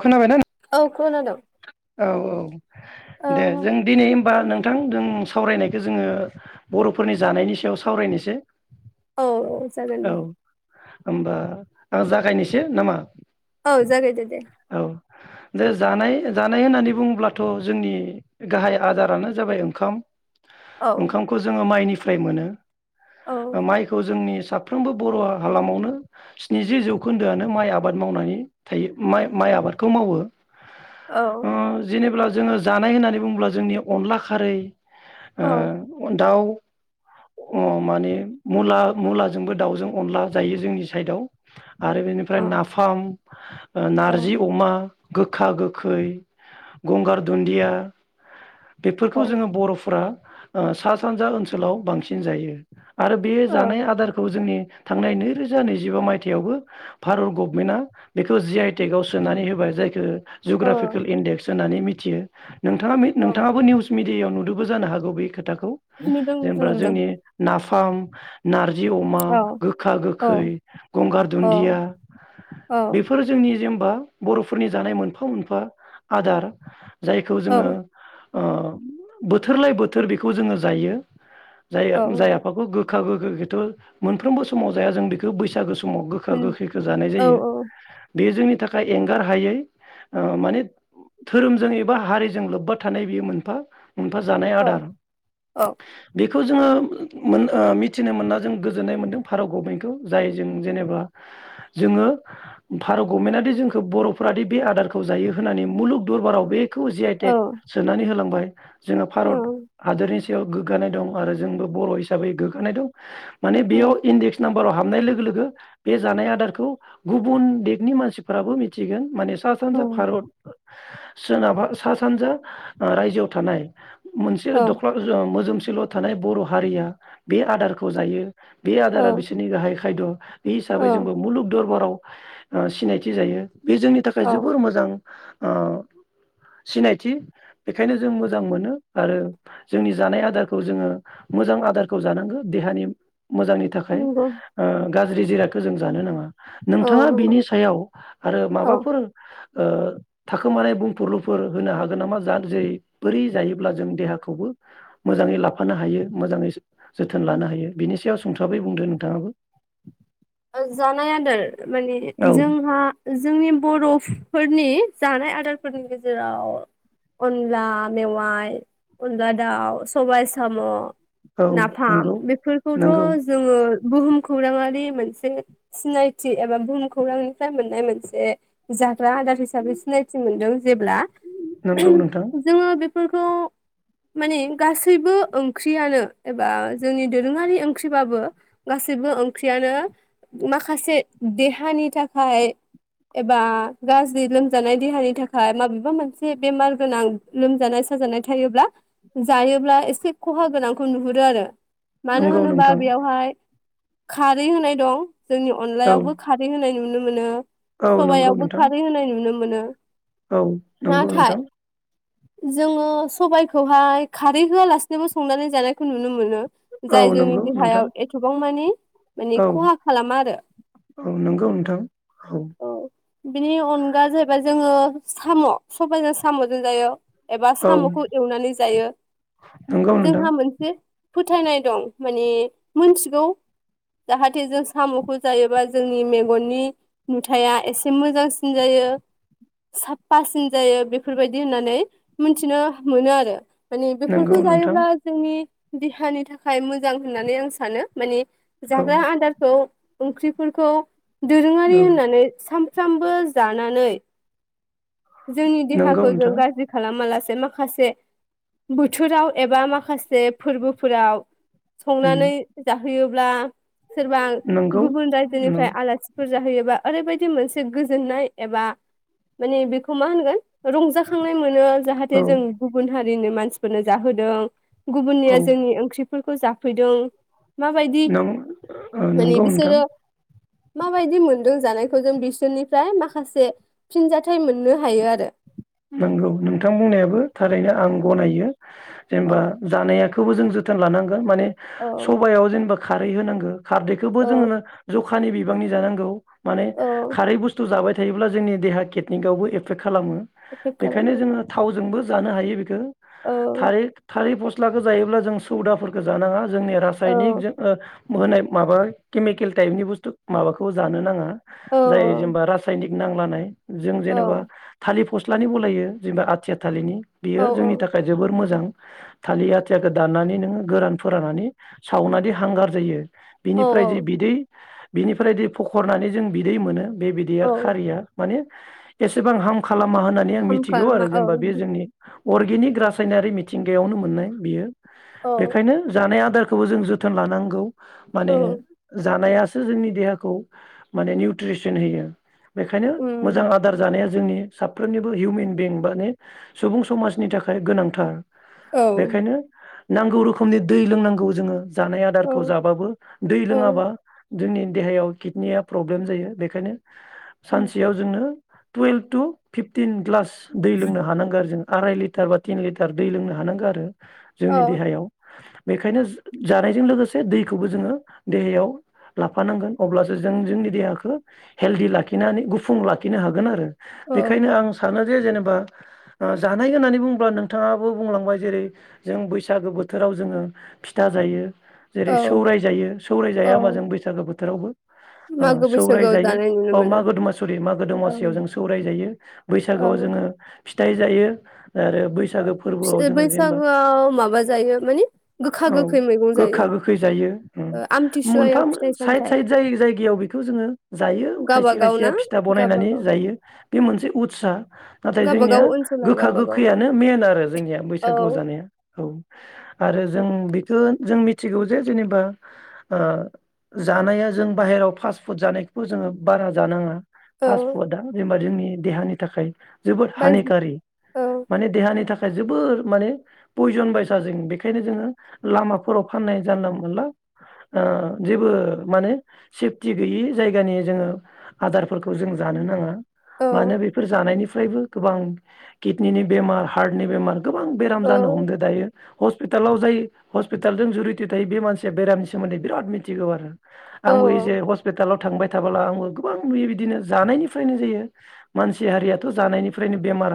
खोनाबायना औ खोनादों। औ औ। औ दे जों दिनै होनबा नोंथां जों सावरायनायखौ जोङो बरफोरनि जानायनि सायाव सावरायनोसै। औ औ जागोन दे। औ होमबा आं जागायनोसै नामा औ जागाय दे दे। औ जे जानाय जानाय होननानै बुङोब्लाथ जोंनि गाहाय आजारानो जाबाय ओंखाम‌। औ ओंखामखौ जोङो माइनि फ्राय मोनो। औ माइखौ जोंनि साफ्रोमबो बर हालामावनो स्निजि जौखोन्दोआनो माइ आबाद मावनानै थायो। माइ माइ आबादखौ मावो। औ। ओ जेनेब्ला जोङो जानाय होननानै बुङोब्ला जोंनि अनला खारै। औ ओ दाउ। अ माने मुला मुलाजोंबो दाउजों अनला जायो जोंनि साइदआव। आरो बेनिफ्राय औ नाफाम। नारजि अमा। गोखा गोखै गंगार दुन्दिया। बेफोरखौ औ जोङो बरफोरा ओ सा सानजा ओनसोलाव बांसिन जायो । आरो बे औ जानाय आदारखौ जोंनि थांनाय नैरोजा नैजिबा मायथाइयावबो भारत गभमेन्टआ बे खौ जि आइटेकआव सोनानै होबाय जायखो जुग्राफिकेल औ इन्डेक्स होननानै मिथ थियो। नोंथाङा मि औ नोंथाङाबो निउस मि दियाव नुदोंबो जानो हागौ बे खोथाखौ खौ नुदों नोंथां जेनबा नुदों जोंनि नाफ फाम नारजि अमा औ गोखा औ गोखै गंगार औ दुन्दिया औ जोंनि जेनबा बरफोरनि जानाय मोनफा मोनफा आदार जायखौ औ जोङो ओ बोथोरलाय बोथोर बेखौ जोङो जायो जाय औ जाय आफाखौ गो गोखा गोखैखोथ मोनफ्रोमबो समाव जाया जों बेखो बैसागो सम समाव गोखा गोखैखौ जानाय जायो बेयो जोंनि थाखाय एंगार हायै ओ माने धोरोमजों एबा हारिजों लोब्बा थानाय बेयो मोनफा मोनफा जानाय आदार बे बेखौ जोङो ओ मोनथिनो मोनना जों गोजोननाय मोनदों भारत गभमेन्टखौ जाय जों जेनेबा जोङो भारत गभमेन्टआ दि जोंखौ बर'फोरादि बे आदारखौ जायो होननानै मुलुग दरबाराव बे बेखौ जि आइ टेक सोनानै होलांबाय जोङो भारत हादरनि जि याव गोग्गानाय दं आरो जोंबो बर' हिसाबै गोग्गानाय दं माने बेयाव इडेक्स नाम बारआव हाबनाय लोगो लोगो बे जानाय आदारखौ गुबुन देगनि मानसिफोराबो मिथिगोन माने स सा सानजा भारत सोरनाबा सा-सानजा ओ रायजोआव थानाय मोनसे दख्ला जों मोजोम स सेल थानाय बर हारिया बे आदारखौ जायो बे आदारा बिसोरनि गाहाय खायद बि औ हिसाबै जोंबो मुलुग दरबाराव ओ सिनायथि जायो बे जोंनि थाखाय औ जोबोर मोजां ओ सिनायथि बेखायनो जों मोजां मोनो आरो जोंनि जानाय आदारखौ जोङो मोजां आदारखौ जानांगो देहानि मोजांनि थाखाय नंगौ ओ गाज्रि जिरादखौ जों जानो नाङा औ नोंथाङा नंगौ बिनि सायाव आरो औ माबाफोर ओ थाखोमानाय बुंफोरलुफोर होनो हागोन नामा जा जेरै बोरै जायोब्ला जों देहाखौबो मोजाङै लाफानो हायो मोजाङै जोथोन लानो हायो बिनि सायाव सुंसाबै बुंदो नोंथाङाबो ओस जानाय आदार माने औ जोंहा जोंनि बर' फ फोरनि जानाय आदारफोरनि गेजेराव अनला मेवाइ अनला दाउ सबाय साम नाफाम नंगौ बेफोरखौथ नंगौ जोङो, बुहुम खौराङारि मोनस बे सिनायथि एबा बुहुम खौरांनिफ्राय मोननाय मोनसे जाग्रा आदार हिसाबै सिनायथि मोनदों जेब्ला, नंगौ नोंथां फोरखौ माने गासैबो ओंख्रियानो एबा जोंनि दोरोङारि ओंख्रिबाबो गासैबो ओंख्रियानो, माखासे देहानि थाखाय एबा गाज्रि लोमजानाय देहानि थाखाय माबेबा मोनसे बेमार गोनां लोमजानाय साजानाय थायोब्ला जायोब्ला एसे खहा गोनांखौ नुहुरो आरो, मानो नंगौ होनोबा नोंथां बेयावहाय, खारै होनाय दं, जोंनि औ अनलायावबो खारै होनायनि नुनो नुनो मोनो, औ नंगौ सबाययावबो नोंथां खारै होनाय नुनो मोनो औ नंगौ नाथाय, नोंथां जोङो सबाइखौहाय खारै होआलासिनोबो संनानै जानायखौ नुनो मोनो, जाय औ जोंनि नंगौ नोंथां देहायाव एथबांमानि माने औ खहा औ नंगौ नोंथां औ बिनि अनगा जाहैबाय जोङो साम सबायाइजों सामजों जायो, एबा औ सामखौ एवनानै जायो नंगौ नोंथां जोंहा मोनसे, फोथायनाय दं माने मोनथिगौ जाहाथे जों, सामखौ जायोबा जोंनि मेगननि नुथाया एसे मोजांसिन जायो साफासिन जायो, बेफोरबायदि होननानै मोनथिनो मोनो आरो माने नंगौ बेफोरखौ नोंथां जायोब्ला जोंनि देहानि थाखाय मोजां होननानै आं सानो माने औ जाग्रा आदार, अ ओंख्रिफोरखौ दोरोङारि औ होननानै साम सानफ्रामबो जानानै। जोंनि नंगौ देहाखौ जों नोंथां गाज्रि खालामालासे, बे माखासे बोथोराव एबा माखासे फोरबोफोराव उम संनानै जाहोयोब्ला सोरबा नंगौ गुबुन नों रायजोनिफ्राय आलासिफोर जाहैयोबा ओरैबाय थिम मोनसे गोजोननाय एबा माने बेखौ मा होनगोन, रंजाखांनाय मोनो औ जाहाथे जों गुबुन हारि, ओरैनो मानसिफोरनो जाहोदों। औ गुबुननिया जोंनि ओंख्रि फोरखो जाफैदों। माबायदि नों ओ माने नंगौ नोंथां बिसोरो माबायदि मोन जों जानायखौ जों बिसोरनिफ्राय माखासे फिनजाथाय मोननो हायो आरो। नोंगौ नोंथां बुंनायाबो थारैनो आं गनायो। औ जेनेबा जानाया खौबो जों जोथोन लानां माने औ सबायाव जेनेबा खारै होनांगो। खारदैखौबो औ जोंनो जख खानि बिबांनि जानांगौ। माने औ खारै बुस्थु जाबाय थायोब्ला जोंनि देहा किटनिकावबो एफेक्ट खालामो। एफेक्ट बेखायनो खालामो जोङो थावजोंबो जानो हायो बिखो। औ थालिद थालि बस फसलाखो जायोब्ला जों सौदाफोरखौ जानाङा। जोंनि औ रासायनिकजों ओ होनाय माबा केमिकेल टाइपनि बुस्थु माबाखौ जानो नाङा। औ जाय जेनेबा रासायनिक नांलानाय। जों औ जेनोबा थालि फस्लानि बलायो जेनेबा आथिया थालिनि। औ बियो जोंनि थाखाय जोबोर मोजां। थालिर आथियाखौ दाननानै नोङो गोरान फोराननानै सावनादि हांगार जायो। औ बिनिफ्राय जे बिदै बिनिफ्राय दै फखरनानै जों बिदै मोनो बेबायदिया औ खारिया माने एसेबां हामखा मा होननानै आं हार्म मिथिगौ खालामा आरो औ जेनेबा बे जोंनि अर्गेनिक रासायनारि मिथिंगायावनो मोननाय बियो। औ बेखायनो जानाय आदार खौबो जों जोथोन लानांगौ। औ माने जानाय जोंनि देहाखौ माने निउट्रिसन होयो। बेखायनो मोजां उम आदार जानाया जोंनि साफ्रोमनिबो हिउमेन बिं माने सुबुं समाजनि थाखाय गोनांथार। औ बेखायनो नांगौ रोखोमनि दै लोंनांगौ जोङो। जानाय औ आदारखौ जाबाबो दै औ लोङाबा जोंनि देहायाव किडनिया प्रब्लेम जायो बेखायनो उम सानसेयाव जोंनो टुएलभ टु फिफटिन ग्लास दै लोंनो हानांगो आरो जों आराय लिटार बा तिन लिटार दै लोंनो हानांगो आरो। औ जोंनि देहायाव बेखायनो जो जानायजों लोगोसे दैखौबो जोङो देहायाव लाफानांगोन अब्लासो जों जोंनि देहाखौ हेल्दि लाखिनानै गुफुं लाखिनो हागोन आरो। औ बेखायनो आं सानो जे जेनेबा जानाय होननानै बुंङोब्ला नोंथाङाबो बुंलांबाय जेरै जों बैसागो बोथोराव जोङो फिथा जायो औ जेरै सौराय जायो औ सौरायजाया माजों बैसागो बोथ थोरावबो अ मागो सौराय बैसागोआव जायो जानाय नुनो अ मोनो मागो दमासुरि मागो दमासियाव जों औ सौ जायो बैसागोआव औ जोङो फिथाइ जायो। आरो बैसागो फोरबोआव जोङो जेनेबा बैसागोआव माबा जायो माने गोखा औ गोखै मैगं जायो गोखा गोखै जायो उम ओ मोनफा आमथिसुवायाव फिथाइ साइद सामथाइ साइद जाय जायगायाव बेखौ जोङो जायो खायसे गावबागाव खायसेया ना फिथा बनायनानै गावबागाव जायो। बे मोनसे उत्सा नाथाय जोंनिया गावबागाव ओनसोलाव गोखा गावबागाव गोखैयानो बे होनो आरो जोंनिया औ बैसागुआव जानाया औ आरो जों बिखौ जों मिथिगौ जे जेनेबा ओ जानाया जों बाहेराव फास्ट फुड जानायखौबो जोङो बारा जानाङा। फास्ट औ फुदा होमबा जोंनि देहानि थाखाय जोबोद बायजो हानिकारि औ माने देहानि थाखाय जोबोर माने पयजन बायसा जों बेखायनो जोङो लामाफोराव फाननाय जानला मोनला ओ जेबो माने सेफटि गैयि जायगानि जोङो आदारफोरखौ जों जानो नाङा। औ मानो बेफोर जानायनि फ्रायबो गोबां किडनिनि बेमार हार्टनि बेमार गोबां बेराम औ जानो हमदो दायो। हस्पिटालाव जायो हस्पिटालजों जुरित थायो बे मानसिया बेरामनि सोमोन्दै बेराद मिथिगौ आरो औ आंबो जे हस्पिटालाव थाबा थांबाय थाबला आंबो गोबां बि बिदिनो जानायनिफ्रायनो यो मानसि हारियाथ' जानायनिफ्रायनो बेमार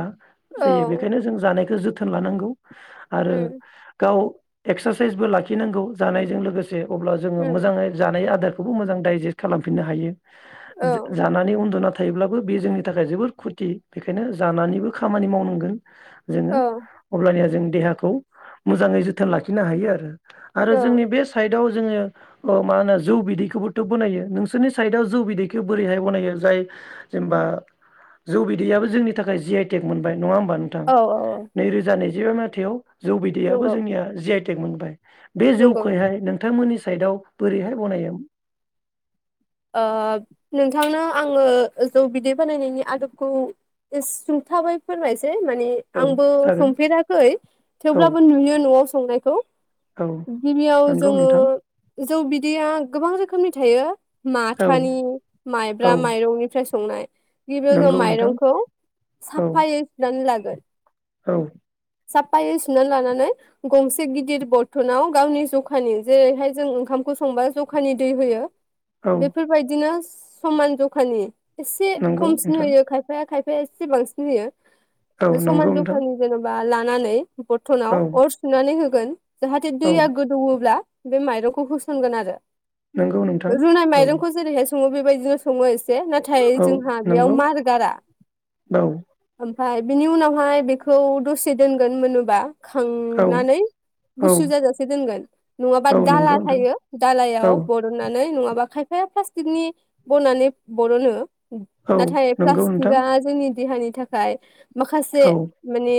जायो औ बेखायनो जों जानायखौ जोथ जोथोन लानांगौ । आरो उम गाव एक्सारसाइसबो लाखिनांगौ जानायजों लोगोसे जे अब्ला जोङो उम मोजाङै जानाय आदार खौबो मोजां डाइजेस्ट खालामफिननो हायो। औ जा जाननि उन्दना था थायोब्ला । बो बे जोंनि थाखाय जोबोद खथि बेखायनो जानानैबो खामानि मावनांगोन । औ जोङो अब्लानिया जों देहाखौ मोजाङै जोथोन लाखिनो हायो आरो । आरो जोंनि औ बे साइदाव जोङो ओ मा होनो जौ बिदैखौबोथ बनायो नोंसोरनि साइदाव जौ बिदैखौ बोरैहाय बनायो जाय जेनेबा जौ बिदैयाबो जोंनि थाखाय जि आइटेक मोनबाय । नङा होमबा नोंथां औ नैरोजा नैज [unintelligible] माइथायाव जौ बिदैयाबो नंगौ जोंनिया जि आइट थेक मोनबाय । बे नंगौ जौखौहाय नों नोंथांमोननि साइदआव बोरैहाय बनायो । ओ नोंथांनो आङो जौ बिदै बानायनायनि आदबखौ सुंथाबाय फोरमानसै । माने औ आंबो जागोन संफेराखै औ थेवबो नुयो न'आव संनायखौ औ । गिबियाव नंगौ जोङो नोंथां । जौ बिदैया गोबां रोखोमनि थायो । औ माथानि औ माइब्रा माइरंनिफ्राय सं संनाय । जेबो जों नंगौ नोंथां माइरंखौ औ साफायै सुनानै लागो [inaudible] औ । साफायै सुनानै लानानै गंसे गिदिर बर्थनाव गावनि जखानि जेरैहाय जों ओंखामखौ संबा जखानि दै होयो औ । बेफोर बायदिनो समान जखानि एसे नंगौ खमसिन नोंथां होयो खायफाया खायफा सेएसे बांसिन होयो औ नंगौ समान नोंथां जखानि जोनोम बा लानानै बथनाव औ अर सुनानै हो गोन जाहाथे औ दैया गोदौओब्ला बे माइरंखौ होसनगोन आरो नंगौ नोंथां रुनाय औ माइरंखौ जेरैहाय संङो बे बे बायदिनो संङोज जे नाथाय औ जोंहा बेयाव नंगौ मारगारा औ फाय बिनि उनावहाय बेखौ दसे दोनगोन मोनोबा औ खांनानै औ गुसु जाजासे दोनगोन नङाबा औ दाला नंगौ नोंथां थायो औ दालायाव बरननानै नङा बा खायफाया फास्टिकनि बनानै बरनो औ नाथाय नंगौ नोंथां प्लास्टिकआ जोंनि देहानि थाखाय माखासे औ माने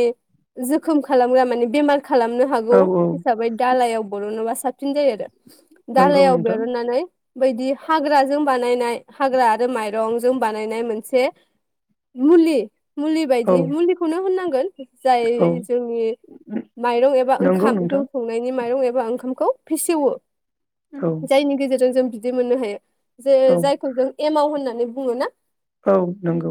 जोखोम खालामग्रा माने बेमार खालामनो हागौ औ हिसाबै दालायाव बरनोबा सा फिन जायो आरो नंगौ दालायाव नोंथां बेरननानै बायदि हाग्राजों बानायनाय हाग्रा आरो माइरंजों बानायनाय मोनसे मुलि मुलि बायदि औ मुलिखौनो होननां गोन जाय औ जोंनि माइरं एबा नंगौ ओंखाम जौ नोंथां संनायनि माइरं ए वा ओंखामखौ फेसेवो औ जायनि गेजेरजों जों दि मोननो हायो। जे औ जायखौ जों एमाव होननानै बुंङो ना? औ नंगौ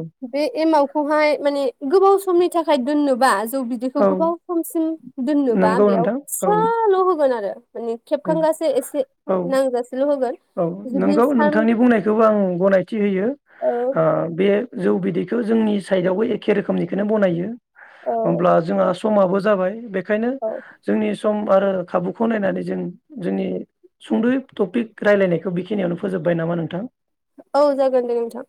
खौहाय माने गोबाव समनि थाखाय दोननो [unintelligible] जौ बिदैखौ औ गोबाव समसिम दोननोबा नंगौ बेयाव नोंथां औ फिसाल होगोन आरो मानि औ खेबखांगासे एसे औ नांजासेल होगोन औ जुदि नोंगौ सान नोंथांनि बुंनायखौबो आं गनायथि होयो औ ओ बे जौ बि बेखौ जोंनि साइडआवबो एखे रोखोमनिखौनो बनायो औ होमब्ला जोंहा समाबो जाबाय बे बेखायनो औ जोंनि- सम आरो खाबुखौ नायनानै जों जोंनि सुंदयै टपिक रायलायनायखौ बेखिनियावनो फोजोब्बाय नामा नोंथां औ जागोन दे नोंथां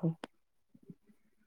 औ [unintelligible]